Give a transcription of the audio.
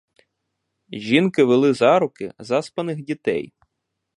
Жінки вели за руки заспаних дітей.